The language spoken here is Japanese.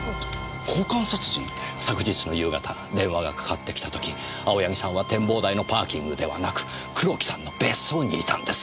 昨日の夕方電話がかかってきた時青柳さんは展望台のパーキングではなく黒木さんの別荘にいたんです。